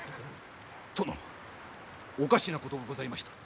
殿おかしなことがございました。